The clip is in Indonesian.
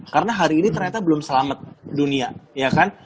karena hari ini ternyata belum selamat dunia ya kan